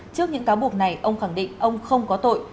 trước những cáo buộc này ông khẳng định ông không có tội